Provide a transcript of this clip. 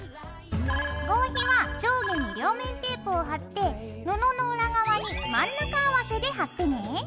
合皮は上下に両面テープを貼って布の裏側に真ん中合わせで貼ってね。